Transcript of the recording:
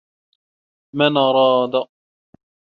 مَنْ أَرَادَ